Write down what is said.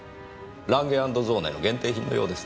ランゲ＆ゾーネの限定品のようですねぇ。